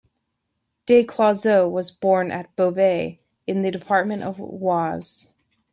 Des Cloizeaux was born at Beauvais, in the department of Oise.